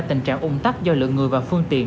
tình trạng ung tắc do lượng người và phương tiện